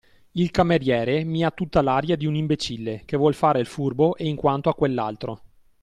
Il cameriere mi ha tutta l'aria di un imbecille, che vuol fare il furbo, e in quanto a quell'altro.